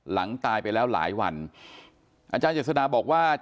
ตายไปแล้วหลายวันอาจารย์เจษฎาบอกว่า